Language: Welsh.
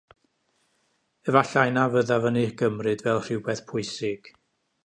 Efallai na fyddaf yn ei gymryd fel rhywbeth pwysig.